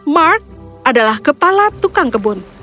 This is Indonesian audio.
mark adalah kepala tukang kebun